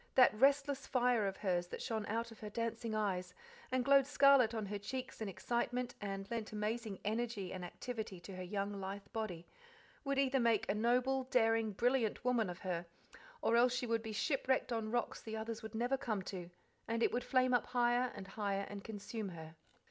That restless fire of hers that shone out of her dancing eyes, and glowed scarlet on her cheeks in excitement, and lent amazing energy and activity to her young, lithe body, would either make a noble, daring, brilliant woman of her, or else she would be shipwrecked on rocks the others would never come to, and it would flame up higher and higher and consume her.